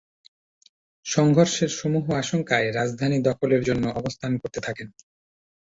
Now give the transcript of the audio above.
সংঘর্ষের সমূহ আশঙ্কায় রাজধানী দখলের জন্য অবস্থান করতে থাকেন।